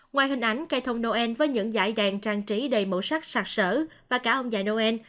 ngoài hình ảnh cây thông noel với những dải đèn trang trí đầy màu sắc sạc sở và cả ông dài noel